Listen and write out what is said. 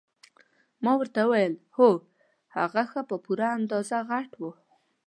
ما ورته وویل هو هغه ښه په پوره اندازه غټ وو.